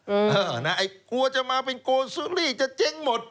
เออนะไอ้กลัวจะมาเป็นโกนซื้อรี่จะเจ๊งหมด